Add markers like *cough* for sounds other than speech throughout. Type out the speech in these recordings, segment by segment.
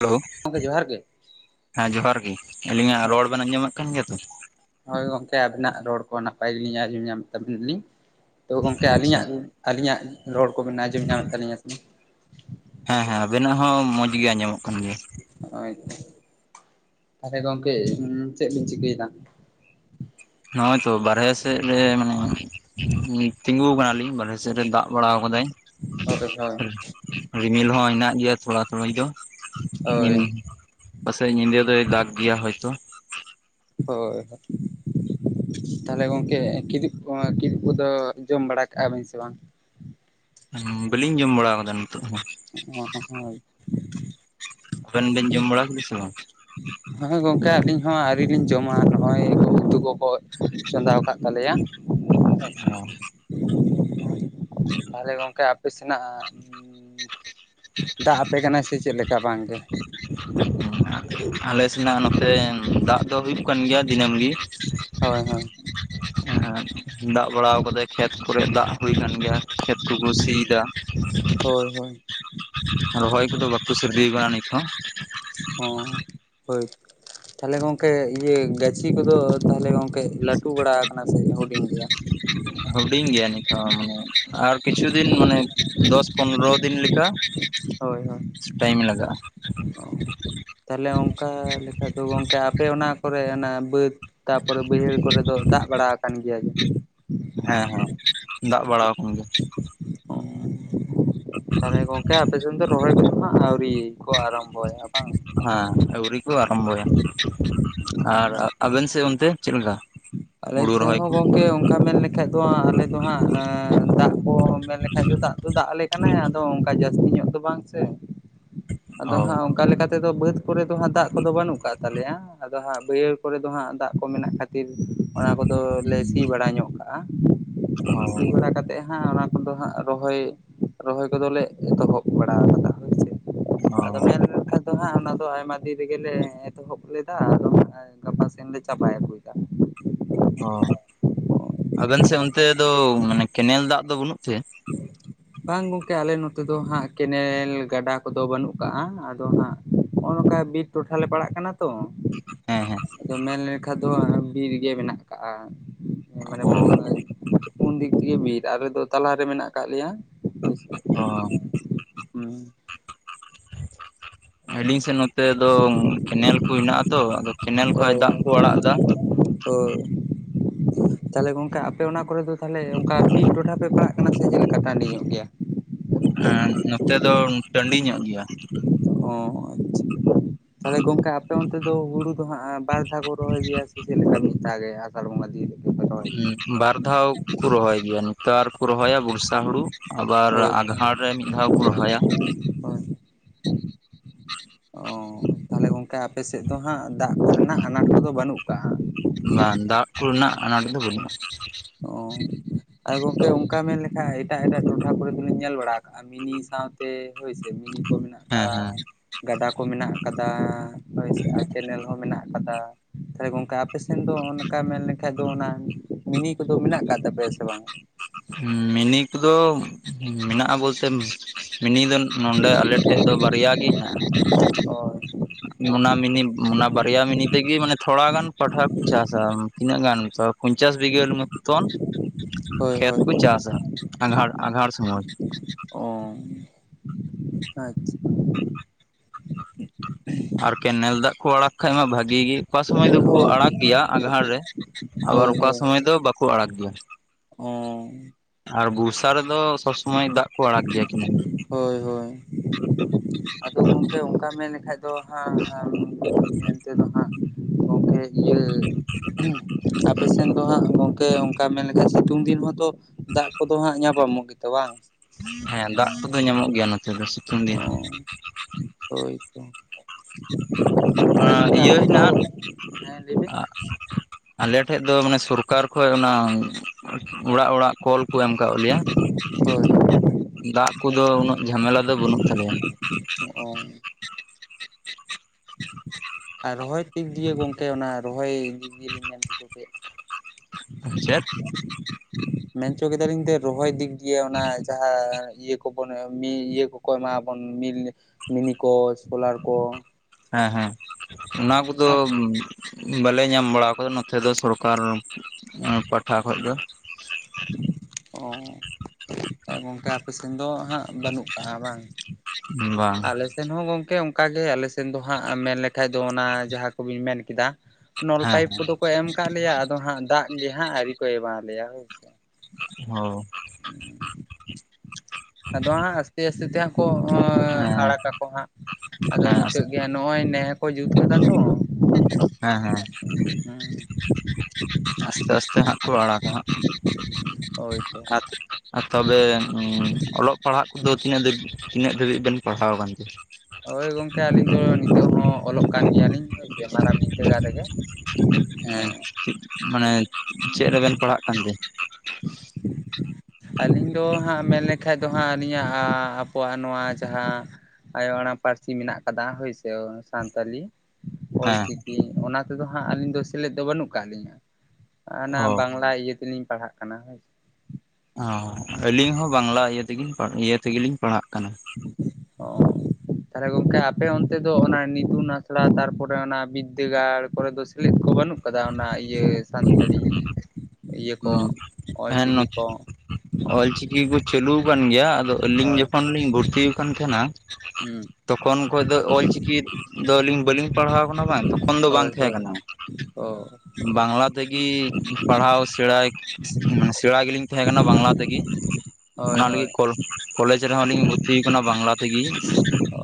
Hello ᱜᱚᱢᱠᱮ ᱡᱚᱦᱟᱨ ᱜᱮ ᱦᱮᱸ ᱡᱚᱦᱟᱨ ᱜᱮ ᱟᱹᱞᱤᱧᱟᱜ ᱨᱚᱲ ᱵᱮᱱ ᱟᱸᱡᱚᱢᱮᱫ ᱠᱟᱱ ᱜᱮᱭᱟ ᱛᱚ ᱦᱳᱭ ᱜᱚᱝᱠᱮ ᱟᱵᱤᱱᱟᱜ ᱨᱚᱲ ᱠᱚ ᱱᱟᱯᱟᱭ ᱜᱮᱞᱤᱧ ᱟᱸᱡᱚᱢ ᱧᱟᱢ ᱛᱟᱵᱤᱱᱟ ᱞᱤᱧ ᱛᱳ ᱜᱚᱝᱠᱮ ᱟᱪᱪᱷᱟ ᱟᱹᱞᱤᱧᱟᱜ ᱟᱹᱞᱤᱧᱟᱜ ᱨᱚᱲ ᱠᱚᱵᱤᱱ ᱟᱡᱚᱢ ᱧᱟᱢᱮᱫ ᱛᱟᱹᱟᱞᱤᱧᱟ ᱥᱮ ᱦᱮᱸ ᱦᱮᱸ ᱟᱵᱮᱱᱟᱜ ᱦᱚᱸ ᱢᱚᱸᱡᱽ ᱜᱮ ᱟᱸᱡᱚᱢᱚᱜ ᱠᱟᱱ ᱜᱮᱭᱟ ᱦᱳᱭ ᱛᱟᱦᱚᱞᱮ ᱜᱚᱢᱠᱮ ᱪᱮᱫ ᱵᱤᱱ ᱪᱤᱠᱟᱹᱭᱮᱫᱟ? ᱱᱚᱜᱚᱭ ᱛᱚ ᱵᱟᱨᱦᱮ ᱥᱮᱫ ᱨᱮ ᱢᱟᱱᱮ ᱛᱸᱤᱜᱩ ᱟᱠᱟᱱᱟᱞᱤᱧ ᱵᱟᱨᱦᱮ ᱥᱮᱫ ᱨᱮ ᱫᱟᱜ ᱵᱟᱲᱟᱣ ᱠᱟᱫᱟᱭ ᱦᱳᱭ ᱦᱳᱭ ᱨᱤᱢᱤᱞ ᱦᱚᱸ ᱦᱮᱱᱟᱜ ᱜᱮᱭᱟ ᱛᱷᱚᱲᱟ ᱛᱷᱳᱨᱟ ᱫᱚ ᱦᱳᱭ ᱯᱟᱥᱮᱡ ᱧᱤᱫᱟᱹ ᱫᱚᱭ ᱫᱟᱜᱽ ᱜᱮᱭᱟ ᱦᱚᱭᱛᱳ ᱦᱳᱭ ᱦᱳᱭ ᱛᱟᱦᱞᱮ ᱜᱚᱝᱠᱮ ᱠᱤᱫᱩᱯ ᱠᱚ ᱠᱤᱫᱩᱯ ᱫᱚ ᱡᱚᱢ ᱵᱟᱲᱟ ᱠᱟᱜᱼᱟ ᱵᱤᱱ ᱥᱮ ᱵᱟᱝ ᱩᱸ ᱵᱟᱹᱞᱤᱧ ᱡᱚᱢ ᱵᱟᱲᱟ ᱟᱠᱟᱫᱟ ᱱᱤᱛᱚᱜ ᱦᱚᱸ ᱚ ᱦᱳᱭ ᱟᱵᱮᱱ ᱵᱮᱱ ᱡᱚᱢ ᱵᱟᱲᱟ ᱠᱮᱫᱟ ᱥᱮ ᱵᱟᱝ *inaudible* ᱦᱮᱸ ᱜᱚᱝᱠᱮ ᱟᱹᱞᱤᱧ ᱦᱚᱸ ᱟᱹᱣᱨᱤᱞᱤᱧ ᱡᱚᱢᱟ ᱱᱚᱜᱼᱚᱭ ᱩᱛᱩ ᱠᱚ ᱠᱚ ᱪᱚᱸᱫᱟ ᱟᱠᱟᱫ ᱛᱟᱞᱮᱭᱟ ᱚ, *inaudible* ᱛᱟᱦᱞᱮ ᱜᱚᱝᱠᱮ ᱟᱯᱮ ᱥᱮᱱᱟᱜ ᱫᱟᱜ ᱟᱯᱮ ᱠᱟᱱᱟᱭ ᱥᱮ ᱪᱮᱫᱞᱮᱠᱟ ᱵᱟᱝᱜᱮ ᱟᱞᱮ ᱥᱮᱱᱟᱜ ᱱᱚᱛᱮ ᱫᱟᱜ ᱫᱚ ᱦᱩᱭᱩᱜ ᱠᱟᱱ ᱜᱮᱭᱟ ᱫᱤᱱᱟᱹᱢ ᱜᱮ ᱦᱳᱭ ᱦᱳᱭ ᱫᱟᱜ ᱵᱟᱲᱟᱣ ᱠᱟᱫᱟᱭ ᱠᱷᱮᱛ ᱠᱚᱨᱮ ᱫᱟᱜ ᱦᱩᱭ ᱟᱠᱟᱱ ᱜᱮᱭᱟ ᱠᱷᱮᱛ ᱠᱚᱠᱚ ᱥᱤᱭᱮᱫᱟ ᱦᱳᱭ ᱦᱳᱭ ᱨᱚᱦᱚᱭ ᱠᱚᱫᱚ ᱵᱟᱠᱚ ᱥᱟᱨᱫᱤ ᱟᱠᱟᱱᱟ ᱱᱤᱛᱦᱚᱸ ᱦᱚ ᱦᱳᱭ ᱛᱟᱦᱚᱞᱮ ᱜᱚᱢᱠᱮ ᱤᱭᱟᱹ ᱜᱟᱹᱪᱷᱤ ᱠᱚᱫᱚ ᱛᱟᱦᱚᱞᱮ ᱜᱚᱢᱠᱮ ᱯᱮ ᱞᱟᱹᱴᱩ ᱵᱟᱲᱟ ᱠᱟᱱᱟ ᱥᱮ ᱦᱩᱰᱤᱧ ᱜᱮᱭᱟ ᱦᱩᱰᱤᱧ ᱜᱮᱭᱟ ᱱᱤᱛᱦᱚ ᱢᱟᱱᱮ ᱟᱨ ᱠᱤᱪᱷᱩ ᱫᱤᱱ ᱢᱟᱱᱮ ᱫᱚᱥ ᱯᱚᱱᱨᱚ ᱫᱤᱱ ᱞᱮᱠᱟ ᱦᱳᱭ ᱦᱳᱭ ᱴᱟᱭᱤᱢ ᱞᱟᱜᱟᱜᱼᱟ ᱛᱟᱦᱞᱮ ᱚᱱᱠᱟ ᱞᱮᱠᱟ ᱫᱚ ᱜᱚᱝᱠᱮ ᱟᱯᱮ ᱚᱱᱟ ᱠᱚᱨᱮ ᱚᱱᱟ ᱵᱟᱹᱫᱽ ᱛᱟᱯᱚᱨᱮ ᱵᱟᱹᱭᱦᱟᱹᱲ ᱠᱚᱨᱮ ᱫᱚ ᱫᱟᱜ ᱵᱟᱲᱟ ᱟᱠᱟᱱ ᱜᱮᱭᱟ ᱜᱮ ᱦᱮᱸ ᱦᱮᱸ ᱫᱟᱜ ᱵᱟᱲᱟ ᱟᱠᱟᱱ ᱜᱮᱭᱟ ᱚ ᱛᱟᱦᱚᱞᱮ ᱜᱚᱝᱠᱮ ᱟᱯᱮ ᱥᱮᱱ ᱫᱚ ᱨᱚᱦᱚᱭ ᱠᱚᱫᱚ ᱦᱟᱸᱜ ᱟᱹᱣᱨᱤ ᱠᱚ ᱟᱨᱟᱢᱵᱚᱭᱟ ᱵᱟᱝ? ᱦᱮᱸ ᱟᱹᱣᱨᱤ ᱠᱚ ᱟᱨᱟᱢᱵᱚᱭᱟ ᱟᱨ ᱟᱵᱮᱱ ᱥᱮᱫ ᱚᱱᱛᱮ ᱪᱮᱫ ᱞᱮᱠᱟ? ᱟᱞᱮ ᱦᱩᱲᱩ ᱥᱮᱫ ᱨᱚᱦᱚᱭ ᱦᱚᱸ ᱠᱚ ᱜᱚᱝᱠᱮ ᱚᱱᱠᱟ ᱢᱮᱱ ᱞᱮᱠᱷᱟᱡ ᱫᱚ ᱟᱞᱮ ᱫᱚ ᱦᱟᱸᱜ ᱫᱟᱜ ᱠᱚ ᱢᱮᱱ ᱞᱠᱷᱟᱡ ᱫᱚ ᱫᱟᱜ ᱫᱚ ᱫᱟᱜ ᱟᱞᱮ ᱠᱟᱱᱟᱭ ᱟᱫᱚ ᱚᱱᱠᱟ ᱡᱟᱹᱥᱛᱤ ᱧᱚᱜ ᱫᱚ ᱵᱟᱝ ᱥᱮ ᱚ ᱟᱫᱚ ᱦᱟᱸᱜ ᱚᱱᱠᱟ ᱞᱮᱠᱟᱛᱮ ᱱᱚᱛᱮ ᱫᱚ ᱵᱟᱹᱫᱽ ᱠᱚᱨᱮ ᱫᱚ ᱦᱟᱸᱜ ᱫᱟᱜ ᱠᱚᱫᱚ ᱵᱟᱹᱱᱩᱜ ᱠᱟᱜ ᱛᱟᱞᱮᱭᱟ ᱟᱫᱚ ᱦᱟᱸᱜ ᱵᱟᱹᱭᱦᱟᱹᱲ ᱠᱚᱨᱮ ᱫᱚ ᱦᱟᱸᱜ ᱫᱟᱜ ᱠᱚ ᱢᱮᱱᱟᱜ ᱠᱷᱟᱹᱛᱤᱨ ᱠᱷᱟᱹᱛᱤᱨ ᱚᱱᱟ ᱠᱚᱫᱚᱞᱮ ᱥᱤ ᱵᱟᱲᱟ ᱧᱚᱜ ᱠᱟᱜᱼᱟ ᱚ ᱥᱤ ᱵᱟᱲᱟ ᱠᱟᱛᱮ ᱦᱮᱸ ᱚᱱᱟ ᱠᱚᱫᱚ ᱦᱟᱸᱜ ᱨᱚᱦᱚᱭ ᱨᱚᱦᱚᱭ ᱠᱚᱫᱚᱞᱮ ᱮᱛᱚᱦᱚᱵ ᱵᱟᱲᱟ ᱟᱠᱟᱫᱟ ᱦᱳᱭᱥᱮ ᱚ ᱟᱫᱚ ᱢᱮᱱ *inaudible* ᱟᱫᱚ ᱦᱟᱸᱜ ᱚᱱᱟ ᱫᱚ ᱟᱭᱢᱟ ᱫᱤᱱ ᱨᱮᱜᱮᱞᱮ ᱮᱛᱚᱦᱚᱵ ᱞᱮᱫᱟ ᱟᱫᱚ ᱦᱟᱜ ᱜᱟᱯᱟ ᱥᱮᱱ ᱞᱮ ᱪᱟᱵᱟᱭᱟ ᱠᱟᱡ *inaudible* ᱚ ᱟᱵᱮᱱ ᱥᱮᱫ ᱚᱱᱛᱮ ᱫᱚ ᱢᱟᱱᱮ ᱠᱮᱱᱮᱞ ᱫᱟᱜ ᱫᱚ ᱵᱟᱹᱱᱩᱜ ᱛᱮ *unintelligible* ᱵᱟᱝ ᱜᱚᱝᱠᱮ ᱟᱞᱮ ᱱᱚᱛᱮ ᱫᱚ ᱦᱟᱸᱜ ᱠᱮᱱᱮᱞ ᱜᱟᱰᱟ ᱠᱚᱫᱚ ᱵᱟᱹᱱᱩᱜ ᱠᱟᱜᱼᱟ ᱟᱫᱚ ᱦᱟᱸᱜ ᱱᱚᱜᱼᱚ ᱱᱚᱝᱠᱟ ᱵᱤᱨ ᱴᱚᱴᱷᱟ ᱞᱮ ᱯᱟᱲᱟᱜ ᱠᱟᱱᱟ ᱛᱚ ᱦᱮᱸ ᱦᱮᱸ ᱟᱫᱚ ᱢᱮᱱ ᱞᱮᱠᱷᱟᱱ ᱫᱚ ᱵᱤᱨ ᱜᱮ ᱢᱮᱱᱟᱜ ᱟᱠᱟᱜᱼᱟ᱾ ᱦᱮᱸ ᱢᱟᱱᱮ ᱚ ᱯᱩᱱ ᱫᱤᱠ ᱫᱤᱭᱮ ᱵᱤᱨ ᱟᱞᱮ ᱫᱚ ᱛᱟᱞᱟᱨᱮ ᱢᱮᱱᱟᱜ ᱟᱠᱜ ᱞᱮᱭᱟ ᱦᱳᱭ ᱥᱮ ᱚᱻᱚ ᱦᱩᱸ ᱟᱹᱞᱤᱧ ᱥᱮ ᱱᱚ ᱛᱮᱫ ᱫᱚ ᱠᱮᱱᱮᱞ ᱠᱚ ᱦᱮᱱᱟᱜ ᱟ ᱛᱚ ᱟᱫᱚ ᱠᱮᱱᱮᱞ ᱠᱷᱚᱡ ᱦᱳᱭ ᱫᱟᱜ ᱠᱚ ᱟᱲᱟᱜ ᱮᱫᱟ ᱦᱳᱭ ᱛᱟᱦᱚᱞᱮ ᱜᱚᱝᱠᱮ ᱟᱯᱮ ᱚᱱᱟ ᱠᱚᱨᱮ ᱛᱟᱦᱚᱞᱮ ᱚᱱᱠᱟ ᱵᱤᱨ ᱴᱚᱴᱷᱟ ᱯᱮ ᱯᱟᱲᱟᱜ ᱠᱟᱱᱟ ᱥᱮ ᱪᱮ ᱞᱮᱠᱟ ᱴᱟᱺᱰᱤ ᱧᱚᱜ ᱜᱮᱭᱟ *inaudible* ᱟᱸ ᱱᱚᱛᱮ ᱫᱚ ᱴᱟᱺᱰᱤ ᱧᱚᱜ ᱜᱮᱭᱟ ᱚ ᱟᱪᱪᱷᱟ ᱛᱟᱦᱚᱞᱮ ᱜᱚᱝᱠᱮ ᱟᱯᱮ ᱚᱱᱛᱮ ᱫᱚ ᱦᱩᱲᱩ ᱦᱟᱸᱜ ᱵᱟᱨ ᱫᱷᱟᱣ ᱠᱚ ᱨᱚᱦᱚᱭ ᱜᱮᱭᱟ ᱥᱮ ᱪᱮᱫ ᱞᱮᱠᱟ ᱢᱤᱫ ᱫᱷᱟᱣ ᱜᱮ ᱟᱥᱟᱲ ᱵᱚᱸᱜᱟ ᱫᱤᱭ ᱨᱚᱦᱚᱭ ᱜᱮᱭᱟ ᱵᱟᱨ ᱫᱷᱟᱣ ᱠᱚ ᱨᱚᱦᱚᱭ ᱜᱮᱭᱟ ᱱᱤᱛᱟᱨ ᱨᱚᱦᱚᱭᱟ ᱵᱚᱨᱥᱟ ᱦᱩᱲᱩ ᱟᱵᱟᱨ ᱦᱳᱭ ᱟᱸᱜᱷᱟᱲ ᱨᱮ ᱢᱤᱫ ᱫᱷᱟᱣ ᱠᱚ ᱨᱚᱦᱚᱭᱟ *inaudible* ᱚ ᱛᱟᱦᱚᱞᱮ ᱜᱚᱝᱠᱮ ᱟᱯᱮ ᱥᱮᱫ ᱫᱚ ᱦᱟᱸᱜ ᱫᱟᱜ ᱠᱚᱨᱮᱱᱟᱜ ᱟᱱᱟᱴ ᱠᱚᱫᱚ ᱵᱟᱹᱱᱩᱜ ᱠᱟᱜᱼᱟ? ᱵᱟᱝ ᱫᱟᱜ ᱠᱚᱨᱮ ᱱᱟᱜ ᱟᱱᱟᱴ ᱫᱚ ᱵᱟᱹᱱᱩᱜᱼᱟ᱾ ᱚ ᱮ ᱜᱚᱝᱠᱮ ᱚᱱᱠᱟ ᱢᱮᱱᱞᱠᱷᱟ ᱮᱴᱟᱜ ᱮᱴᱟᱜ ᱴᱚᱴᱷᱟ ᱠᱚᱨᱮ ᱫᱚᱞᱤᱧ ᱧᱮᱞ ᱵᱟᱲᱟ ᱠᱟᱜᱼᱟ, ᱢᱤᱱᱤ ᱥᱟᱶᱛᱮ ᱦᱳᱭ ᱥᱮ ᱢᱤᱱᱤ ᱠᱚ ᱢᱮᱱᱟᱜ ᱦᱮᱸ ᱟᱨ ᱦᱮᱸ ᱜᱟᱰᱟ ᱠᱚ ᱢᱮᱱᱟᱜ ᱟᱠᱟᱫᱟ ᱦᱳᱭᱥᱮ ᱟᱨ ᱠᱮᱱᱮᱞ ᱦᱚᱸ ᱢᱮᱱᱟᱜ ᱠᱟᱫᱟ᱾ ᱛᱟᱦᱞᱮ ᱜᱚᱝᱠᱮ ᱟᱯᱮ ᱥᱮᱱ ᱫᱚᱱᱠᱟ ᱢᱮᱱᱞᱠᱷᱟᱡ ᱫᱚ ᱚᱱᱟ ᱢᱤᱱᱤ ᱠᱚᱫᱚ ᱢᱮᱱᱟᱜ ᱠᱟᱜ ᱛᱟᱯᱮᱭᱟ ᱥᱮ ᱵᱟᱝ? *inaudible* ᱢᱤᱱᱤ ᱠᱚᱫᱚ ᱢᱮᱱᱟᱜᱼᱟ ᱵᱚᱞᱛᱮ, ᱢᱤᱱᱤ ᱫᱚ ᱱᱚᱰᱮ ᱟᱞᱮ ᱥᱮᱫ ᱫᱚ ᱵᱟᱨᱭᱟ ᱜᱮ ᱦᱤᱱᱟᱜᱼᱟ ᱦᱳᱭ ᱚᱱᱟ ᱢᱤᱱᱤ ᱚᱱᱟ ᱵᱟᱨᱭᱟ ᱢᱤᱱᱤ ᱛᱮᱜᱮ ᱢᱟᱱᱮ ᱛᱷᱚᱲᱟ ᱜᱟᱱ ᱯᱟᱴᱷᱟ ᱠᱚ ᱪᱟᱥᱟ ᱛᱤᱱᱟᱹᱜ ᱜᱟᱱ ᱛᱚ ᱯᱚᱧᱪᱟᱥ ᱵᱤᱜᱷᱟᱞ ᱢᱚᱛᱚᱱ ᱦᱳᱭ ᱠᱷᱮᱛ ᱦᱳᱭ ᱠᱚ ᱪᱟᱥᱟ ᱟᱸᱜᱷᱟᱲ ᱟᱸᱜᱷᱟᱲ ᱥᱚᱢᱚᱭ ᱚ ᱟᱪᱪᱷᱟ *unintelligible* ᱟᱨ ᱠᱮᱱᱮᱞ ᱫᱟᱜ ᱠᱚ ᱟᱲᱟᱜ ᱠᱷᱟᱡ ᱢᱟ ᱵᱷᱟᱜᱤ ᱜᱮ ᱚᱠᱟ ᱥᱚᱢᱚᱭ ᱫᱚᱠᱚ ᱦᱳᱭ ᱟᱲᱟᱜ ᱜᱮᱭᱟ ᱟᱸᱜᱷᱟᱲ ᱨᱮ ᱟᱵᱟᱨ ᱦᱳᱭ ᱚᱠᱟ ᱦᱳᱭ ᱥᱚᱢᱚᱭ ᱫᱚ ᱵᱟᱠᱚ ᱟᱲᱟᱜ ᱜᱮᱭᱟ ᱚ ᱟᱨ ᱵᱩᱨᱥᱟ ᱨᱮᱫᱚ ᱥᱚᱵᱽ ᱥᱚᱢᱚᱭ ᱫᱟᱜ ᱠᱚ ᱟᱲᱟᱜ ᱜᱮᱭᱟ ᱠᱤᱱᱮᱞ ᱨᱮ ᱦᱳᱭ ᱦᱳᱭ ᱟᱫᱚ ᱜᱚᱝᱠᱮ ᱚᱱᱠᱟ ᱢᱮᱱᱞᱮᱠᱷᱟᱡ ᱫᱚ ᱦᱟᱸᱜ ᱢᱮᱱ ᱛᱮᱫᱚ ᱦᱟᱸᱜ ᱜᱚᱢᱠᱮ ᱤᱭᱟᱹ ᱟᱯᱮ ᱥᱮᱱ ᱫᱚ ᱦᱟᱸᱜ ᱜᱚᱝᱠᱮ ᱚᱱᱠᱟ ᱢᱮᱱᱞᱮᱠᱷᱟᱡ ᱥᱤᱛᱩᱝ ᱫᱤᱱ ᱦᱚᱸᱛᱚ ᱫᱟᱜ ᱠᱚᱫᱚ ᱦᱟᱸᱜ ᱧᱟᱯᱟᱢᱚᱜ ᱜᱮᱛᱚ ᱵᱟᱝ ᱦᱮᱸ ᱫᱟᱜ ᱠᱚᱫᱚ ᱧᱟᱢᱚᱜ ᱜᱮᱭᱟ ᱱᱚᱛᱮ ᱫᱚ ᱥᱤᱛᱩᱝ ᱫᱤᱱ ᱦᱚᱸ ᱚ ᱦᱳᱭ ᱛᱚ ᱟ ᱛᱟᱦᱚᱞᱮ ᱜᱚᱝᱠᱮ ᱤᱭᱟᱹ ᱟᱯᱮ ᱫᱚ ᱦᱮᱱᱟᱜᱼᱟ ᱦᱮᱸ ᱞᱟᱹᱭ ᱵᱮᱱ ᱟᱞᱮᱴᱷᱮᱡ ᱫᱚ ᱢᱟᱱᱮ ᱥᱚᱨᱠᱟᱨ ᱠᱷᱚᱡ ᱚᱱᱟ ᱚᱲᱟᱜ ᱚᱲᱟᱜ ᱠᱚᱞ ᱠᱚ ᱮᱢ ᱟᱠᱟᱜ ᱞᱮᱭᱟ ᱦᱳᱭ ᱫᱟᱜ ᱠᱚᱫᱚ ᱩᱱᱟᱹᱜ ᱡᱷᱟᱢᱮᱞᱟ ᱫᱚ ᱵᱟᱹᱱᱩᱜ ᱛᱟᱞᱮᱭᱟ ᱚ ᱟᱨ ᱨᱚᱦᱚᱭ ᱫᱤᱠ ᱫᱤᱭᱮ ᱜᱚᱝᱠᱮ ᱚᱱᱟ ᱨᱚᱦᱚᱭ ᱴᱷᱤᱠ *inaudible* ᱢᱮᱱ ᱪᱮᱫ *inaudible* ᱢᱮᱱ ᱦᱚᱪᱚ ᱠᱮᱫᱟᱞᱤᱧ ᱨᱚᱦᱚᱭ ᱫᱤᱠ ᱫᱤᱭᱮ ᱚᱱᱟ ᱡᱟᱦᱟᱸ ᱤᱭᱟᱹ ᱠᱚᱵᱚᱱ ᱤᱭᱟᱹ ᱠᱚᱠᱚ ᱮᱢᱟᱵᱚᱱ ᱢᱤᱞ ᱢᱤᱱᱤ ᱠᱚ ᱥᱳᱞᱟᱨ ᱠᱚ ᱦᱮᱸ ᱦᱮᱸ ᱚᱱᱟ ᱠᱚᱫᱚ ᱵᱟᱞᱮ ᱧᱟᱢ ᱵᱟᱲᱟ ᱟᱠᱟᱫᱟ ᱱᱚᱛᱮ ᱫᱚ ᱥᱚᱨᱠᱟᱨ ᱯᱟᱦᱴᱟ ᱠᱷᱚᱫ ᱫᱚ ᱚ ᱜᱚᱝᱠᱮ ᱟᱯᱮ ᱥᱮᱱ ᱫᱚ ᱦᱟᱸᱜ ᱵᱟᱹᱱᱩᱜ ᱠᱟᱜᱼᱟ ᱵᱟᱝ ᱵᱟᱝ ᱮᱱᱦᱚᱸ ᱜᱚᱢᱠᱮ ᱚᱱᱠᱟᱜᱮ ᱟᱞᱮᱥᱮᱱ ᱫᱚ ᱦᱟᱸᱜ ᱢᱮᱱᱞᱮᱠᱷᱟᱡ ᱫᱚ ᱚᱱᱟ ᱡᱟᱦᱟᱸ ᱠᱚᱵᱤᱱ ᱢᱮᱱ ᱠᱮᱫᱟ ᱱᱚᱞ ᱦᱮᱸ ᱯᱟᱭᱤᱯ ᱠᱚᱫᱚ ᱠᱚ ᱮᱢ ᱠᱟᱜ ᱞᱮᱭᱟ ᱟᱫᱚ ᱦᱟᱸᱜ ᱫᱟᱜ ᱜᱮ ᱦᱟᱸᱜ ᱟᱹᱣᱨᱤ ᱠᱚ ᱮᱢᱟᱣᱟ ᱞᱮᱭᱟ *unintelligible* *inaudible* ᱟᱫᱚ ᱦᱟᱸᱜ ᱟᱥᱛᱮ ᱟᱥᱛᱮ ᱛᱮ ᱦᱟᱸᱜ ᱠᱚ ᱟᱲᱟᱜᱟᱠᱚ ᱦᱟᱸᱜ ᱟᱫᱚ ᱦᱮᱸ ᱱᱤᱛᱚᱜ ᱱᱚᱜ ᱚᱭ ᱱᱮ ᱠᱚ ᱡᱩᱛ ᱠᱮᱫᱟ ᱛᱚ ᱦᱮᱸ ᱦᱮᱸ ᱦᱸ ᱟᱥᱛᱮ ᱟᱥᱛᱮ ᱦᱟᱸᱜ ᱠᱚ ᱟᱲᱟᱜᱟ ᱦᱟᱸᱜ ᱦᱳᱭ ᱛᱚ ᱟᱨ ᱛᱚᱵᱮ ᱚᱞᱚᱜ ᱯᱟᱲᱦᱟᱜ ᱠᱚᱫᱚ ᱛᱤᱱᱟᱹᱜ ᱫᱟᱹᱵᱤᱡ ᱛᱤᱱᱟᱹᱜ ᱫᱟᱹᱵᱤᱡ ᱵᱤᱱ ᱯᱟᱲᱦᱟᱣ ᱟᱠᱟᱱ ᱛᱮ ᱦᱚᱭ ᱜᱚᱝᱠᱮ ᱟᱹᱞᱤᱧ ᱫᱚ ᱱᱤᱛᱚᱜ ᱦᱚᱸ ᱚᱞᱚᱜ ᱠᱟᱱ ᱜᱮᱭᱟᱞᱤᱧ ᱦᱳᱭᱥᱮ ᱢᱟᱨᱟᱝ ᱵᱤᱫᱽᱫᱟᱹᱜᱟᱲ ᱨᱮᱜᱮ ᱦᱮ ᱦᱮᱸ ᱢᱟᱱᱮ ᱪᱮᱫ ᱨᱮᱵᱮᱱ ᱯᱟᱲᱦᱟᱜ ᱠᱟᱱᱛᱮ *unintelligible* ᱟᱹᱞᱤᱧ ᱫᱚ ᱦᱟᱸᱜ ᱢᱮᱱ ᱞᱮᱠᱷᱟᱡ ᱫᱚ ᱦᱟᱸᱜ ᱟᱹᱞᱤᱧᱟᱜ ᱟᱵᱚᱣᱟᱜ ᱱᱚᱣᱟ ᱡᱟᱦᱟᱸ ᱟᱭᱳ ᱟᱲᱟᱝ ᱯᱟᱹᱨᱥᱤ ᱢᱮᱱᱟᱜ ᱟᱠᱟᱫᱟ ᱦᱳᱭᱥᱮ ᱥᱟᱱᱛᱟᱞᱤ ᱦᱮᱸ ᱚᱞᱪᱤᱠᱤ ᱚᱱᱟ ᱛᱮᱫᱚ ᱦᱟᱸᱜ ᱟᱹᱞᱤᱧ ᱫᱚ ᱥᱮᱞᱮᱫ ᱫᱚ ᱵᱟᱹᱱᱩᱜ ᱠᱟᱜ ᱞᱤᱧᱟᱹ ᱚᱱᱟ ᱚ ᱵᱟᱝᱞᱟ ᱤᱭᱟᱹ ᱛᱮᱞᱤᱧ ᱯᱟᱲᱦᱟᱜ ᱠᱟᱱᱟ ᱦᱳᱭ ᱚ ᱟᱹᱞᱤᱧ ᱦᱚᱸ ᱵᱟᱝᱞᱟ ᱤᱭᱟᱹ ᱛᱮᱜ ᱤᱭᱟᱹ ᱛᱮᱜᱮᱞᱤᱧ ᱯᱟᱲᱦᱟᱜ ᱠᱟᱱᱟ ᱚ ᱛᱟᱦᱚᱞᱮ ᱜᱚᱝᱠᱮ ᱟᱯᱮ ᱚᱱᱛᱮ ᱫᱚ ᱚᱱᱟ ᱤᱛᱩᱱ ᱟᱥᱲᱟ ᱛᱟᱨᱯᱚᱨᱮ ᱚᱱᱟ ᱵᱤᱫᱽᱫᱟᱹᱜᱟᱲ ᱠᱚᱨᱮ ᱫᱚ ᱞᱮᱫ ᱠᱚ ᱵᱟᱹᱱᱩᱜ ᱠᱟᱫᱟ ᱚᱱᱟ ᱤᱭᱟᱹ ᱥᱟᱱᱛᱟᱲᱤ ᱤᱭᱟᱹ ᱠᱚ ᱦᱩᱸ ᱦᱮ ᱚᱞᱪᱤᱠᱤ ᱠᱚ ᱚᱞᱪᱤᱠᱤ ᱠᱚ ᱪᱟᱞᱩ ᱟᱠᱟᱱ ᱜᱮᱭᱟ ᱟᱫᱚ ᱟᱹᱞᱤᱧ ᱦᱳᱭ ᱡᱚᱠᱷᱚᱱᱞᱤᱧ ᱵᱷᱩᱨᱛᱤ ᱟᱠᱟᱱ ᱛᱟᱦᱮᱸᱱᱟ ᱦᱩᱸ ᱛᱚᱠᱷᱚᱱ ᱠᱷᱚᱱ ᱫᱚ ᱚᱞᱪᱤᱠᱤ ᱫᱚ ᱟᱹᱞᱤᱧ ᱵᱟᱹᱞᱤᱧ ᱯᱟᱲᱦᱟᱣ ᱠᱟᱱᱟ ᱵᱟᱝ ᱛᱚᱠᱷᱚᱱ ᱫᱚ ᱵᱟᱝ ᱦᱳᱭ ᱛᱟᱦᱮᱸ ᱦᱳᱭ ᱠᱟᱱᱟ ᱚ ᱦᱳᱭ ᱵᱟᱝᱞᱟ ᱫᱚ ᱛᱮᱜᱮ ᱯᱟᱲᱦᱟᱣ ᱥᱮᱬᱟᱭ ᱢᱟᱱᱮ ᱥᱮᱬᱟ ᱜᱮ ᱞᱤᱧ ᱛᱟᱦᱮᱸ ᱠᱟᱱᱟ ᱵᱟᱝᱞᱟ ᱛᱮᱜᱮ ᱦᱳᱭ ᱚᱱᱟ ᱦᱳᱭ ᱞᱟᱹᱜᱤᱫ ᱠᱚᱞ ᱠᱚᱞᱮᱡᱽ ᱨᱮᱦᱚᱸ ᱞᱤᱧ ᱵᱷᱩᱨᱛᱤ ᱟᱠᱟᱱᱟ ᱵᱟᱝᱞᱟ ᱛᱮᱜᱮ ᱚ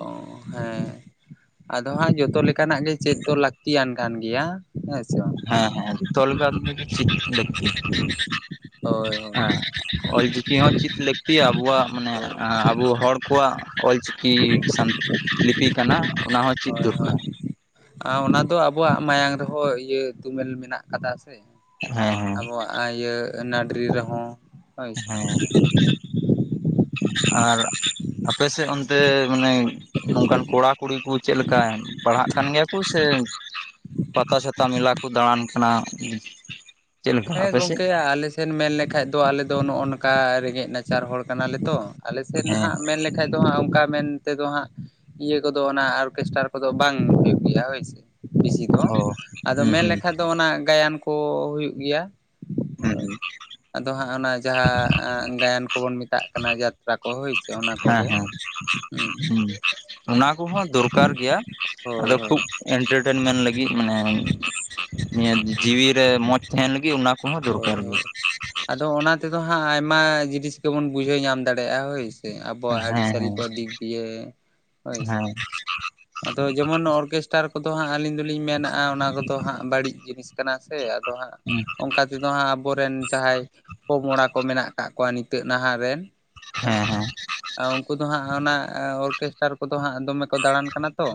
ᱦᱮᱸ ᱟᱫᱚ ᱦᱟᱸᱜ ᱡᱚᱛᱚ ᱞᱮᱠᱟᱱᱟᱜ ᱜᱮ ᱪᱮᱫ ᱫᱚ ᱞᱟᱹᱠᱛᱤᱭᱟᱱ ᱠᱟᱱ ᱜᱮᱭᱟ ᱦᱮᱸ ᱥᱮ ᱵᱟᱝ ᱦᱮᱸ ᱦᱮᱸ ᱛᱚᱞ ᱜᱟ ᱪᱤ ᱦᱳᱭ ᱦᱳᱭ ᱦᱮᱸ ᱚᱞᱪᱤᱠᱤ ᱦᱚᱸ ᱪᱮᱫ ᱞᱟᱹᱠᱛᱤᱭᱟ ᱟᱵᱚᱣᱟᱜ ᱢᱟᱱᱮ ᱦᱳᱭ ᱟᱵᱚ ᱦᱚᱲ ᱠᱚᱣᱟᱜ ᱚᱞᱪᱤᱠᱤ ᱠᱤ ᱥᱟᱱ ᱞᱤᱯᱤ ᱠᱟᱱᱟ ᱚᱱᱟ ᱦᱚᱸ ᱪᱮᱫ ᱦᱳᱭ ᱦᱳᱭ ᱫᱚᱨᱠᱟᱨ ᱚᱱᱟ ᱫᱚ ᱟᱵᱚᱣᱟᱜ ᱢᱟᱭᱟᱝ ᱨᱮᱦᱚᱸ ᱤᱭᱟᱹ ᱛᱩᱢᱮᱞ ᱢᱮᱱᱟᱜ ᱠᱟᱫᱟ ᱥᱮ ᱦᱮᱸ ᱦᱮᱸ ᱟᱵᱚᱣᱟᱜ ᱤᱭᱟᱹ ᱱᱟᱹᱰᱨᱤ ᱨᱮᱦᱚᱸ ᱦᱳᱭ ᱥᱮ ᱦᱮᱸ ᱟᱨ ᱟᱯ ᱥᱮᱫ ᱚᱱᱛᱮ ᱢᱟᱱᱮ ᱱᱚᱝᱠᱟᱱ ᱠᱚᱲᱟᱼ ᱠᱩᱲᱤ ᱠᱚ ᱪᱮᱫ ᱞᱮᱠᱟ ᱯᱟᱲᱦᱟᱜ ᱠᱟᱱ ᱜᱮᱭᱟ ᱠᱚ ᱥᱮ ᱯᱟᱛᱟ ᱪᱷᱟᱛᱟ ᱢᱮᱞᱟ ᱠᱚ ᱫᱟᱬᱟᱱ ᱠᱟᱱᱟ ᱪᱮᱫ ᱞᱮᱠᱟ ᱦᱮᱸ ᱟᱯᱮ ᱥᱮᱫ ᱜᱚᱝᱠᱮ ᱟᱞᱮ ᱥᱮᱱ ᱢᱮᱱ ᱞᱮᱠᱷᱟᱡ ᱫᱚ ᱟᱞᱮ ᱫᱚ ᱱᱚᱜᱼᱚ ᱱᱚᱝᱠᱟ ᱨᱮᱸᱜᱮᱡ ᱱᱟᱪᱟᱨ ᱦᱚᱲ ᱠᱟᱱᱟᱞᱮ ᱛᱚ ᱟᱞᱮ ᱥᱮᱫ ᱦᱮᱸ ᱦᱟᱸᱜ ᱢᱮᱱ ᱞᱮᱠᱟᱱ ᱫᱚ ᱦᱟᱸᱜ ᱚᱱᱠᱟ ᱢᱮᱱ ᱛᱮᱫᱚ ᱦᱟᱸᱜ ᱤᱭᱟᱹ ᱠᱚᱫᱚ ᱚᱱᱟ ᱚᱨᱠᱮᱥᱴᱟᱨ ᱠᱚᱫᱚ ᱵᱟᱝ ᱦᱩᱭᱩᱜ ᱜᱮᱭᱟ ᱦᱚᱭᱥᱮ ᱵᱤᱥᱤ ᱫᱚ ᱚ ᱟᱫᱚ ᱦᱩᱸ ᱢᱮᱱ ᱦᱩᱸ ᱞᱮᱠᱷᱟ ᱫᱚ ᱚᱱᱟ ᱜᱟᱭᱟᱱ ᱠᱚ ᱦᱩᱭᱩᱜ ᱜᱮᱭᱟ ᱦᱩᱸ ᱦᱩᱸ ᱟᱫᱚ ᱦᱟᱸᱜ ᱚᱱᱟ ᱡᱟᱦᱟᱸ ᱜᱟᱭᱟᱱ ᱠᱚ ᱵᱚᱱ ᱢᱮᱛᱟᱜ ᱠᱟᱱᱟ ᱡᱟᱛᱨᱟ ᱠᱚ ᱦᱳᱭ ᱚᱱᱟ ᱦᱮᱸ ᱠᱚᱜᱮ ᱦᱮᱸ ᱦᱩᱸ ᱚᱱᱟ ᱠᱚᱦᱚᱸ ᱫᱚᱨᱠᱟᱨ ᱜᱮᱭᱟ ᱦᱳᱭ ᱟᱫᱚ ᱦᱳᱭ ᱠᱷᱩᱵ ᱮᱱᱴᱟᱨᱴᱮᱱᱢᱮᱱᱴ ᱞᱟᱹᱜᱤᱫ ᱢᱟᱱᱮ ᱱᱤᱭᱟᱹ ᱡᱤᱣᱤ ᱨᱮ ᱢᱚᱸᱡᱽ ᱛᱟᱦᱮᱱ ᱞᱟᱹᱜᱤᱫ ᱚᱱᱟ ᱠᱚᱦᱚᱸ ᱦᱳᱭ ᱫᱚᱨᱠᱟᱨ ᱜᱮᱭᱟ ᱦᱳᱭ ᱟᱫᱚ ᱚᱱᱟ ᱛᱮᱫᱚ ᱦᱟᱸᱜ ᱟᱭᱢᱟ ᱡᱤᱱᱤᱥ ᱜᱮᱵᱚᱱ ᱵᱩᱡᱷᱟᱹᱣ ᱧᱟᱢ ᱫᱟᱲᱮᱭᱟᱜᱼᱟ ᱦᱳᱭ ᱟᱵᱚᱣᱟᱜ ᱟᱹᱨᱤᱪᱟᱞᱤ ᱦᱮᱸ ᱠᱚ ᱫᱤᱠ ᱫᱤᱭᱮ ᱦᱳᱭ ᱦᱮᱸ ᱟᱫᱚ ᱡᱮᱢᱚᱱ ᱚᱨᱠᱮᱥᱴᱟᱨ ᱠᱚᱫᱚ ᱦᱟᱸᱜ ᱟᱹᱞᱤᱧ ᱫᱚᱞᱤᱧ ᱢᱮᱱᱟ ᱚᱱᱟ ᱠᱚᱫᱚ ᱦᱟᱸᱜ ᱵᱟᱹᱲᱤᱡ ᱡᱤᱱᱤᱥ ᱠᱟᱱᱟ ᱥᱮ ᱟᱫᱚ ᱦᱟᱸᱜ ᱦᱩᱸ ᱞᱮᱠᱟ ᱛᱮᱫᱚ ᱦᱟᱸᱜ ᱟᱵᱚᱨᱤᱱ ᱡᱟᱦᱟᱸᱭ ᱯᱚᱼᱯᱚᱝᱲᱟ ᱠᱚ ᱢᱮᱱᱟᱜ ᱟᱠᱟᱜ ᱠᱚᱣᱟ ᱱᱤᱛᱚᱜ ᱱᱟᱦᱟᱜ ᱨᱮᱱ ᱦᱮᱸ ᱦᱳᱭᱥᱮ ᱟᱨ ᱩᱱᱠᱩ ᱫᱚ ᱦᱟᱸᱜ ᱚᱱᱟ ᱚᱨᱠᱮᱥᱴᱟᱨ ᱠᱚᱫᱚ ᱦᱟᱸᱜ ᱫᱚᱢᱮ ᱠᱚ ᱫᱟᱬᱟᱱ ᱠᱟᱱᱟ ᱛᱚ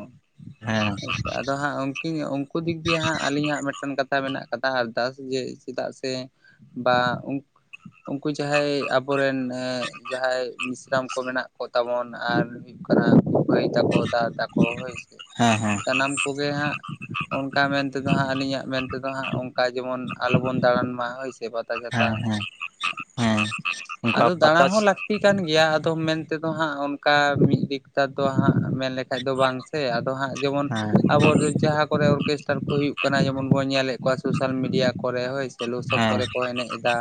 ᱦᱮᱸ ᱦᱮᱸ ᱟᱪᱪᱷᱟ ᱟᱫᱚ ᱦᱟᱸᱜ ᱩᱱ ᱩᱱᱠᱩ ᱫᱤᱠ ᱫᱤᱭᱮ ᱦᱟᱸᱜ ᱟᱹᱞᱤᱧ ᱦᱟᱜ ᱢᱤᱫᱴᱟᱝ ᱠᱟᱛᱷᱟ ᱢᱮᱱᱟᱜ ᱟᱠᱟᱫᱟ ᱟᱨᱫᱟᱥ ᱡᱮ ᱪᱮᱫᱟᱜ ᱥᱮ ᱵᱟ ᱩᱱ *unintelligible* ᱩᱱᱠᱩ ᱡᱟᱦᱟᱸᱭ ᱟᱵᱚᱨᱮᱱ ᱡᱟᱦᱟᱸᱭ ᱢᱤᱥᱨᱟᱢ ᱠᱚ ᱢᱮᱱᱟᱜ ᱠᱚ ᱛᱟᱵᱚᱱ ᱟᱨ ᱠᱚ‌ ᱞᱟᱹᱭᱟ ᱢᱟᱹᱭ ᱛᱟᱠᱚ ᱫᱟᱫᱟ ᱛᱟᱠᱚ ᱦᱳᱭ ᱥᱮ ᱦᱮᱸ ᱦᱮᱸ ᱥᱟᱱᱟᱢ ᱠᱚᱜᱮ ᱦᱟᱸᱜ ᱚᱱᱠᱟ ᱢᱮᱱ ᱛᱮᱫᱚ ᱦᱟᱸᱜ ᱟᱹᱞᱤᱧᱟᱜ ᱢᱮᱱᱛᱮᱫᱚ ᱦᱟᱸᱜ ᱚᱱᱠᱟ ᱡᱮᱢᱚᱱ ᱟᱞᱚᱵᱚᱱ ᱫᱟᱬᱟᱱ ᱢᱟ ᱦᱳᱭ ᱥᱮ ᱦᱮᱸ ᱦᱮᱸ ᱯᱟᱛᱟ-ᱪᱷᱟᱛᱟ, ᱦᱮᱸ ᱦᱮᱸ ᱚᱱᱠᱟ ᱟᱫᱚ ᱫᱟᱬᱟ ᱯᱟᱛᱟ ᱦᱚᱸ ᱞᱟᱹᱠᱛᱤ- ᱞᱟᱹᱠᱛᱤ ᱠᱟᱱ ᱜᱮᱭᱟ ᱟᱫᱚ ᱢᱮᱱᱛᱮᱫᱚ ᱦᱟᱸᱜ ᱚᱱᱠᱟ ᱢᱤᱫ ᱫᱤᱠᱴᱟ ᱫᱚ ᱦᱟᱸᱜ ᱢᱮᱱ ᱞᱮᱠᱷᱟᱱ ᱫᱚ ᱵᱟᱝ ᱥᱮ ᱟᱫᱚ ᱦᱟᱸᱜ ᱡᱮᱢᱚᱱ ᱦᱮᱸ ᱟᱵᱚ ᱫᱚ ᱡᱟᱦᱟᱸ ᱠᱚᱨᱮ ᱚᱨᱠᱮᱥᱴᱟᱨ ᱠᱚ ᱦᱩᱭᱩᱜ ᱠᱟᱱᱟ ᱡᱮᱢᱚᱱ ᱵᱚᱱ ᱧᱮᱞᱮᱫ ᱠᱚᱣᱟ ᱥᱚᱥᱟᱞ ᱢᱤᱰᱤᱭᱟ- ᱠᱚᱨᱮ ᱦᱚᱭ ᱥᱮ ᱞᱚᱥᱚᱫ ᱦᱮᱸ ᱠᱚᱨᱮ ᱠᱚ ᱮᱱᱮᱡ ᱮᱫᱟ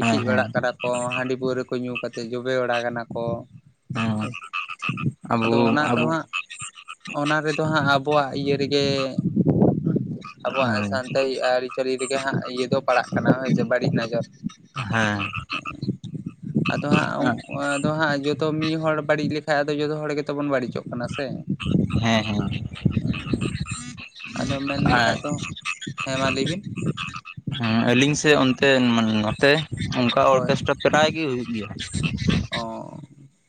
ᱦᱮᱸ ᱦᱮᱸ ᱵᱟᱲᱟᱜ ᱠᱟᱱᱟ ᱠᱚ ᱦᱟᱺᱰᱤ ᱯᱟᱹᱣᱨᱟᱹ ᱠᱚ ᱧᱩ ᱠᱟᱛᱮᱫ ᱡᱚᱵᱮ ᱵᱟᱲᱟᱜ ᱠᱟᱱᱟ ᱠᱚ ᱦᱮᱸ ᱟᱵᱚ ᱟᱫᱚ ᱚᱱᱟ ᱛᱮ ᱟᱵᱚ ᱦᱟᱸᱜ ᱚᱱᱟ ᱨᱮᱫᱚ ᱦᱟᱸᱜ ᱟᱵᱚᱣᱟᱜ ᱤᱭᱟᱹ ᱨᱮᱜᱮ ᱟᱵᱚᱣᱟᱜ ᱦᱮᱸ ᱥᱟᱱᱛᱟᱲᱤ ᱟᱹᱨᱤᱪᱟᱹᱞᱤ ᱨᱮᱜᱮ ᱦᱟᱸᱜ ᱤᱭᱟᱹ ᱫᱚ ᱯᱟᱲᱟᱜ ᱠᱟᱱᱟ ᱦᱳᱭᱥᱮ ᱵᱟᱹᱲᱤᱡ ᱱᱚᱡᱚᱨ ᱦᱮᱸ *inaudible* ᱟᱫᱚ ᱦᱟᱸᱜ ᱩᱱᱠᱩ ᱟᱫᱚ ᱦᱟᱸᱜ ᱡᱚᱛᱚ ᱢᱤᱫ ᱦᱚᱲ ᱵᱟᱹᱲᱤᱡ ᱞᱮᱠᱷᱟᱱ ᱟᱫᱚ ᱡᱚᱛᱚ ᱦᱚᱲ ᱜᱮᱛᱚ ᱵᱚᱱ ᱵᱟᱹᱲᱤᱡᱚᱜ ᱠᱟᱱᱟ ᱥᱮ ᱦᱮᱸ ᱦᱮᱸ ᱦᱩᱸ, ᱟᱫᱚ ᱢᱮᱱ ᱦᱮᱸ ᱞᱮᱠᱷᱟᱡ ᱫᱚ ᱦᱮᱸ ᱢᱟ ᱞᱟᱹᱭ ᱵᱤᱱ ᱟᱹᱞᱤᱧ ᱥᱮᱫ ᱚᱱᱛᱮ ᱢᱟᱱ ᱱᱚᱛᱮ ᱚᱱᱠᱟ ᱦᱳᱭ ᱚᱨᱠᱮᱥᱴᱨᱟ ᱯᱨᱟᱭ ᱜᱮ ᱦᱩᱭᱩᱜ ᱜᱮᱭᱟ ᱚ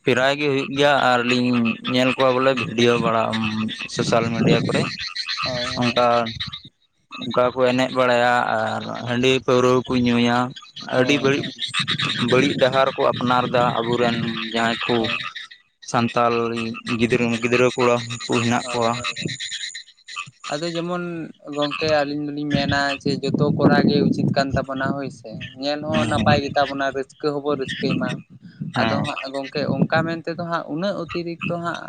ᱯᱨᱟᱭ ᱜᱮ ᱦᱩᱭᱩᱜ ᱜᱮᱭᱟ ᱟᱨᱞᱤᱧ ᱧᱮᱞ ᱠᱚᱣᱟ ᱵᱚᱞᱮ ᱵᱷᱤᱰᱭᱳ ᱵᱟᱲᱟ ᱥᱳᱥᱟᱞ ᱢᱤᱰᱤᱭᱟ ᱠᱚᱨᱮ ᱦᱳᱭ ᱦᱳᱭ ᱚᱱᱠᱟ ᱚᱱᱠᱟ ᱠᱚ ᱮᱱᱮᱡ ᱵᱟᱲᱟᱭᱟ ᱟᱨ ᱦᱟᱺᱰᱤ ᱯᱟᱹᱣᱨᱟᱹ ᱠᱚ ᱧᱩᱭᱟ ᱟᱹᱰᱤ ᱦᱳᱭ ᱵᱟᱹᱲᱤᱡ ᱦᱳᱭ ᱵᱟᱹᱲᱤᱡ ᱰᱟᱦᱟᱨ ᱠᱚ ᱟᱯᱱᱟᱨᱫᱟ ᱟᱵᱚᱨᱮᱱ ᱡᱟᱦᱟᱸᱭ ᱠᱚ ᱦᱳᱭ ᱥᱟᱱᱛᱟᱞ ᱜᱤᱫᱽᱨᱟᱹ ᱜᱤᱫᱽᱨᱟᱹ ᱠᱚᱲᱟ ᱠᱚ ᱦᱮᱸᱜ ᱦᱳᱭ ᱦᱳᱭ ᱟᱫᱚ ᱡᱮᱢᱚᱱ ᱜᱚᱝᱠᱮ ᱟᱹᱞᱤᱧ ᱫᱚᱞᱤᱧ ᱢᱮᱱᱟ ᱡᱮ ᱡᱚᱛᱚ ᱠᱚᱨᱟᱣ ᱜᱮ ᱩᱪᱤᱛ ᱠᱟᱱ ᱛᱟᱵᱚᱱᱟ ᱦᱳᱭ ᱧᱮᱞ ᱦᱚᱸ ᱦᱮᱸ ᱱᱟᱯᱟᱭ ᱜᱮᱛᱟ ᱵᱚᱱᱟ ᱨᱟᱹᱥᱠᱟᱹ ᱦᱚᱸᱵᱚᱱ ᱨᱟᱹᱥᱠᱟᱹᱭ ᱢᱟ ᱟᱫᱚ ᱦᱮᱸ ᱦᱟᱸᱜ ᱜᱚᱝᱠᱮ ᱚᱱᱠᱟ ᱢᱮᱱᱛᱮᱫᱚ ᱦᱟᱸᱜ ᱩᱱᱟᱹᱜ ᱚᱛᱤᱨᱤᱠᱛᱚ ᱦᱟᱸᱜ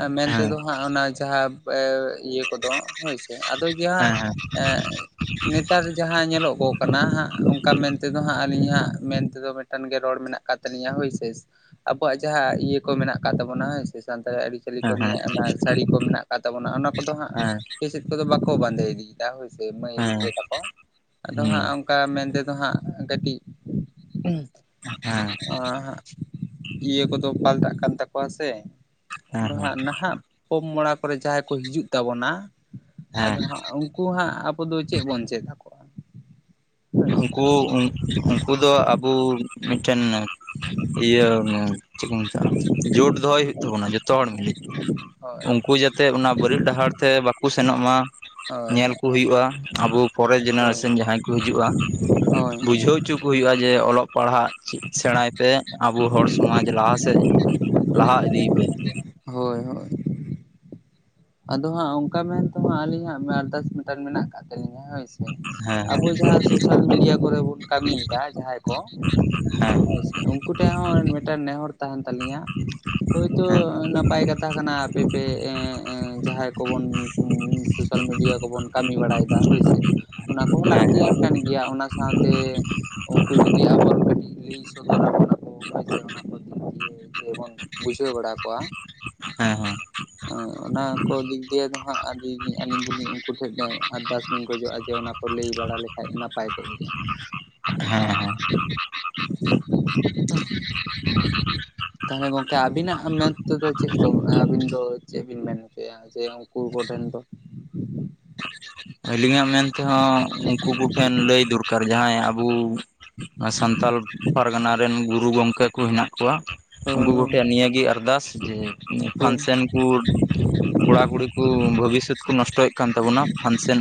ᱮᱸ ᱢᱮᱱ ᱦᱮᱸ ᱛᱮᱫᱚ ᱦᱟᱸᱜ ᱚᱱᱟ ᱡᱟᱦᱟᱸ ᱮᱸ ᱤᱭᱟᱹ ᱠᱚᱫᱚ ᱦᱳᱭ ᱥᱮ ᱟᱫᱚ ᱡᱟᱦᱟᱸ ᱦᱮᱸ ᱦᱮᱸ ᱮᱸᱜ ᱱᱤᱛ ᱱᱮᱛᱟᱨ ᱡᱟᱦᱟᱸ ᱧᱮᱞᱚᱜᱚᱜ ᱠᱟᱱᱟ ᱦᱟᱸᱜ ᱚᱱᱠᱟ ᱢᱮᱱᱛᱮᱫᱚ ᱦᱟᱸᱜ ᱟᱹᱞᱤᱧ ᱦᱟᱸᱜ ᱢᱮᱱᱛᱮᱫᱚ ᱢᱤᱫᱴᱟᱝ ᱜᱮ ᱨᱚᱲ ᱢᱮᱱᱟᱜ ᱠᱟᱱ ᱛᱟᱞᱤᱧᱟ ᱦᱳᱭ ᱥᱮ ᱟᱵᱚᱣᱟᱜ ᱡᱟᱦᱟᱸ ᱤᱭᱟᱹ ᱠᱚ ᱢᱮᱱᱟᱜ ᱠᱟᱫ ᱛᱟᱵᱚᱱᱟ ᱦᱳᱭ ᱥᱮ ᱥᱟᱱᱛᱟᱲᱤ ᱟᱹᱨᱤᱪᱟᱹᱞᱤ ᱠᱚ ᱦᱮᱸ ᱱᱤᱭᱮ ᱦᱮᱸ ᱚᱱᱟ ᱥᱟᱹᱲᱤ ᱠᱚ ᱢᱮᱱᱟᱜ ᱟᱠᱟᱫ ᱛᱟᱵᱚᱱᱟ ᱚᱱᱟ ᱠᱚᱫᱚ ᱦᱟᱸᱜ ᱦᱮᱸ ᱵᱮᱥᱮᱫ ᱠᱚᱫᱚ ᱵᱟᱠᱚ ᱵᱟᱸᱫᱮ ᱤᱫᱤᱭ ᱦᱳᱭᱥᱮ ᱢᱟᱹᱭ ᱜᱤᱫᱽᱨᱟᱹ ᱛᱟᱠᱚ ᱟᱫᱚ ᱦᱟᱸᱜ ᱚᱱᱠᱟ ᱢᱮᱱᱛᱮᱫᱚ ᱦᱟᱸᱜ ᱠᱟᱹᱴᱤᱡ ᱚ ᱤᱭᱟᱹ ᱠᱚᱫᱚ ᱯᱟᱞᱴᱟᱜ ᱠᱟᱱ ᱛᱟᱠᱚᱣᱟ ᱥᱮ ᱦᱮᱸ ᱟᱫᱚ ᱦᱮᱸ ᱦᱟᱸᱜ ᱱᱟ ᱦᱟᱜ ᱯᱚᱝ ᱢᱚᱲᱟ ᱠᱚᱨᱮ ᱡᱟᱦᱟᱸᱭ ᱠᱚ ᱦᱤᱡᱩᱜ ᱛᱟᱵᱚᱱᱟ᱾ ᱦᱮᱸ ᱟᱫᱚ ᱩᱱᱠᱩ ᱦᱟᱸᱜ ᱟᱵᱚ ᱫᱚ ᱪᱮᱫ ᱵᱚᱱ ᱪᱮᱫ ᱟᱠᱚᱣᱟ᱾ ᱦᱳᱭ ᱥᱮ ᱩᱱᱠᱩ ᱩᱱᱠᱩ ᱫᱚ ᱟᱵᱩ ᱢᱤᱫᱴᱮᱱ ᱤᱭᱟᱹ *unintelligible* ᱪᱮᱫ ᱠᱚ ᱢᱮᱛᱟᱜᱼᱟ᱾ ᱡᱳᱴ ᱫᱚᱦᱚᱭ ᱦᱩᱭᱩᱜ ᱛᱟᱵᱚᱱᱟ ᱡᱚᱛᱚ ᱦᱚᱲ ᱢᱤᱞᱤᱠᱩ ᱦᱳᱭ *unintelligible* ᱟᱠᱩ ᱡᱟᱛᱮ ᱚᱱᱟ ᱵᱟᱹᱲᱤᱡ ᱰᱟᱦᱟᱨ ᱛᱮ ᱵᱟᱠᱚ ᱥᱮᱱᱚᱜ ᱢᱟ᱾ ᱦᱳᱭ ᱧᱮᱞ ᱠᱚ ᱦᱩᱭᱩᱜᱼᱟ᱾ ᱟᱵᱚ ᱯᱚᱨᱮ ᱦᱳᱭ ᱡᱮᱱᱟᱨᱮᱥᱚᱱ ᱡᱟᱦᱟᱸᱭ ᱠᱚ ᱦᱤᱡᱩᱜᱼᱟ, ᱦᱳᱭ ᱵᱩᱡᱽ ᱴᱷᱟᱹᱣ ᱚᱪᱚ ᱠᱚ ᱦᱩᱭᱩᱜᱼᱟ ᱡᱮ ᱚᱞᱚᱜ ᱯᱟᱲᱦᱟᱜ ᱥᱮᱬᱟᱭ ᱛᱮ ᱟᱵᱚ ᱦᱚᱲ ᱥᱚᱢᱟᱡᱽ ᱞᱟᱦᱟ ᱥᱮᱫ ᱞᱟᱦᱟ ᱤᱫᱤᱭ ᱯᱮ ᱦᱳᱭ ᱦᱳᱭ ᱟᱫᱚ ᱦᱟᱸᱜ ᱚᱱᱠᱟ ᱢᱮᱱᱛᱮ ᱦᱟᱸᱜ ᱟᱹᱞᱤᱧ ᱦᱟᱸᱜ ᱟᱨᱫᱟᱥ ᱢᱤᱴᱟᱨ ᱢᱮᱱᱟᱜ ᱠᱟᱜ ᱛᱟᱹᱞᱤᱧᱟ ᱦᱳᱭ ᱥᱮ ᱾ ᱦᱮᱸ ᱟᱵᱚ ᱡᱟᱦᱟᱸ ᱥᱳᱥᱟᱞ ᱢᱤᱰᱤᱭᱟ ᱠᱚᱨᱮ ᱵᱩᱱ ᱠᱟᱹᱢᱤᱭᱫᱟ ᱡᱟᱦᱟᱸᱭ ᱠᱚ ᱦᱮᱸ ᱾ ᱦᱳᱭ ᱥᱮ, ᱩᱱᱠᱩ ᱴᱮᱜ ᱦᱚᱸ ᱢᱤᱫᱴᱮᱱ ᱱᱮᱦᱚᱨ ᱛᱟᱸᱦᱮᱱ ᱛᱟᱹᱞᱤᱧᱟ ᱾ ᱦᱳᱭ ᱛᱳ ᱦᱮᱸ ᱮ ᱱᱟᱯᱟᱭ ᱠᱟᱛᱷᱟ ᱠᱟᱱᱟ ᱟᱯᱮ ᱯᱮ ᱮᱸ ᱮᱸ ᱡᱟᱦᱟᱭ ᱠᱚᱵᱚᱱ *inaudible* ᱥᱳᱥᱟᱞ ᱢᱤᱰᱤᱭᱟ ᱠᱚᱵᱚᱱ ᱠᱟᱹᱢᱤ ᱵᱟᱲᱟᱭ ᱫᱟ *inaudible* ᱚᱱᱟ ᱠᱚᱦᱚᱸ ᱦᱮᱸ ᱦᱮᱸ ᱞᱟᱹᱠᱛᱤᱭᱟᱱ ᱠᱟᱱ ᱜᱮᱭᱟ ᱚᱱᱟ ᱥᱟᱶᱛᱮ ᱩᱱᱠᱩ ᱡᱩᱫᱤ ᱟᱵᱚ *inaudible* *inaudible* ᱡᱮ ᱵᱚᱱ ᱵᱩᱡᱷᱟᱹᱣ ᱵᱟᱲᱟ ᱠᱚᱣᱟ ᱾ ᱦᱮᱸ ᱦᱮᱸ ᱾ ᱚᱱᱟ ᱠᱚ ᱫᱤᱠ ᱫᱤᱭᱮ ᱫᱚ ᱦᱟᱸᱜ ᱟᱹᱞᱤᱧ ᱟᱹᱞᱤᱧ ᱫᱚᱞᱤᱧ ᱩᱱᱠᱩ ᱴᱷᱮᱱ ᱞᱮ ᱟᱨᱫᱟᱥ ᱤᱧ ᱠᱷᱚᱡᱚᱜᱼᱟ ᱡᱮ ᱚᱱᱟ ᱠᱚ ᱞᱟᱹᱭ ᱵᱟᱲᱟ ᱞᱮᱠᱷᱟᱡ ᱱᱟᱯᱟᱭ ᱠᱚᱜ ᱜᱮᱭᱟ᱾ ᱦᱮᱸ ᱦᱳᱭᱥᱮ ᱦᱮᱸ *unintelligible* ᱛᱟᱦᱚᱞᱮ ᱜᱚᱝᱠᱮ ᱟᱹᱵᱤᱱᱟᱜ ᱢᱮᱱ ᱛᱮᱫᱚ ᱪᱮᱫ ᱠᱚ ᱟᱹᱵᱤᱱ ᱫᱚ ᱪᱮᱫ ᱵᱤᱱ ᱢᱮᱱ ᱦᱚᱪᱚᱭᱟ? ᱡᱮ ᱩᱱᱠᱩ ᱠᱚᱴᱷᱮᱱ ᱫᱚ ᱟᱹᱞᱤᱧᱟᱜ ᱢᱮᱱᱛᱮᱦᱚᱸ ᱩᱱᱠᱩ ᱠᱚᱴᱷᱮᱱ ᱞᱟᱹᱭ ᱫᱚᱨᱠᱟᱨ ᱡᱟᱦᱟᱸᱭ ᱟᱵᱚ ᱥᱟᱱᱛᱟᱞ ᱯᱟᱨᱜᱟᱱᱟ ᱨᱮᱱ ᱜᱩᱨᱩ ᱜᱚᱢᱠᱮ ᱠᱚ ᱦᱮᱱᱟᱜ ᱠᱚᱣᱟ᱾ ᱦᱳᱭ ᱩᱱᱠᱩ ᱦᱳᱭ ᱠᱚᱴᱷᱮᱱ ᱱᱤᱭᱟᱹᱜᱮ ᱟᱨᱫᱟᱥ ᱡᱮ ᱦᱳᱭ ᱯᱷᱟᱱᱥᱮᱱ ᱠᱩᱰ ᱠᱚᱲᱟᱼᱠᱩᱲᱤ ᱠᱩ ᱵᱷᱚᱵᱤᱥᱥᱚᱛ ᱠᱩ ᱱᱚᱥᱴᱚᱭᱮᱜ ᱠᱟᱱ ᱛᱟᱵᱩᱱᱟ ᱯᱷᱟᱱᱥᱮᱱ